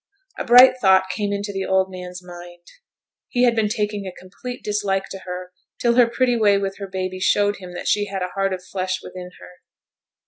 A bright thought came into the old man's mind. He had been taking a complete dislike to her till her pretty way with her baby showed him that she had a heart of flesh within her.